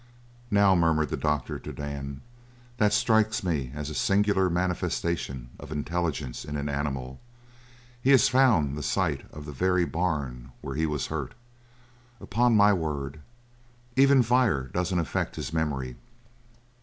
"Now," murmured the doctor to Dan, "that strikes me as a singular manifestation of intelligence in an animal he has found the site of the very barn where he was hurt upon my word! Even fire doesn't affect his memory!"